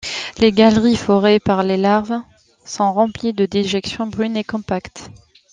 Les galeries forées par les larves sont remplies de déjections brunes et compactes.